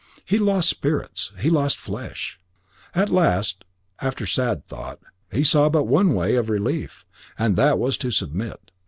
He lost spirits; he lost flesh. At last, after sad thought, he saw but one way of relief, and that was to submit.